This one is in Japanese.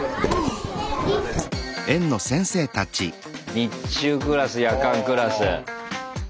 日中クラス夜間クラス。